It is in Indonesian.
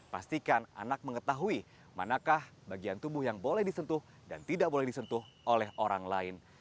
pastikan anak mengetahui manakah bagian tubuh yang boleh disentuh dan tidak boleh disentuh oleh orang lain